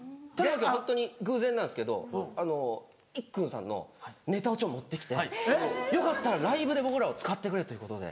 ホントに偶然なんですけどいっくんさんのネタをちょっと持って来て。よかったらライブで僕らを使ってくれということで。